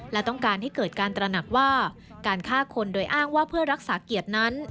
และต้องการให้เกิดการตระหนักว่าการฆ่าคนโดยอ้างว่าเพื่อรักษาเกียรตินั้น